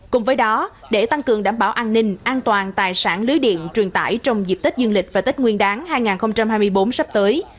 cùng với đó để tăng cường đảm bảo an ninh an toàn tài sản lưới điện truyền tải trong dịp tết dương lịch và tết nguyên đáng hai nghìn hai mươi bốn sắp tới